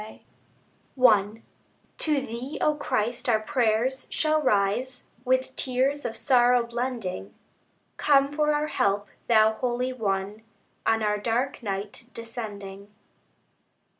) I To Thee, O Christ, our prayers shall rise, With tears of sorrow blending; Come for our help Thou Holy One, On our dark night descending.